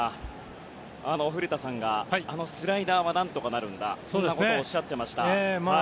古田さんがあのスライダーは何とかなるんだそんなことをおっしゃっていました。